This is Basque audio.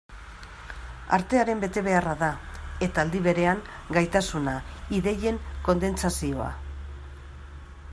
Artearen betebeharra da, eta aldi berean gaitasuna, ideien kondentsazioa.